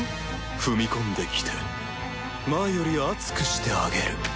踏み込んできて前より熱くしてあげる。